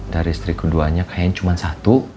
dari istri keduanya kayaknya cuma satu